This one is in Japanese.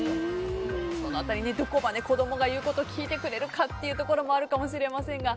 その辺り、どこまで子供が言うことを聞いてくれるかというところもあるかもしれませんが。